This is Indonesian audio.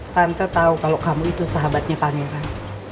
tante tahu kalau kamu itu sahabatnya pangeran